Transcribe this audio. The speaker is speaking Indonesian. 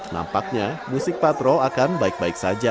nampaknya musik patrol akan baik baik saja